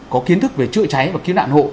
có kiến thức về chữa cháy và kiếm đạn hộ